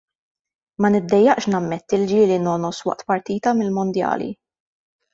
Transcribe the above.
Ma niddejjaqx nammetti li ġieli nongħos waqt partita mill-mondjali.